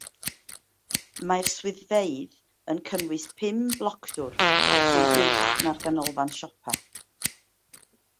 Mae'r swyddfeydd yn cynnwys pum blocdwr sy'n uwch na'r ganolfan siopa.